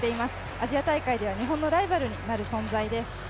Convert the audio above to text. アジア大会では日本のライバルになる存在です。